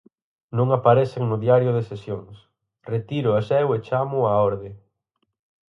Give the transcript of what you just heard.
Non aparecen no Diario de Sesións, retíroas eu e chámoo á orde.